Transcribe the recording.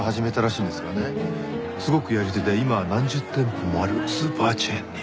すごくやり手で今は何十店舗もあるスーパーチェーンに。